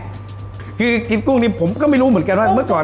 คือกินกุ้งนี้ผมก็ไม่รู้เหมือนกันว่าเมื่อก่อน